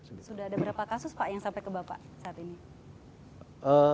sudah ada berapa kasus pak yang sampai ke bapak saat ini